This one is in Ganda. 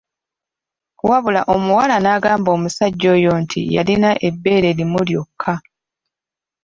Wabula omuwala n'agamba omusajja oyo nti yalina ebbeere limu lyokka.